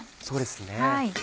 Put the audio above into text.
そうですね。